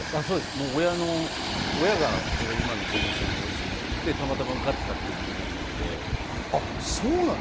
もう親の、親が今の事務所のオーディションに送って、たまたま受かったっていう人そうなの？